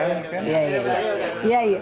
engga masa jenderal